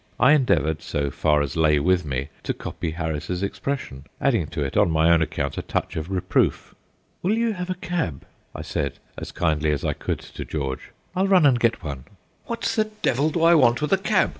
I endeavoured, so far as lay with me, to copy Harris's expression, adding to it on my own account a touch of reproof. "Will you have a cab?" I said as kindly as I could to George. "I'll run and get one." "What the devil do I want with a cab?"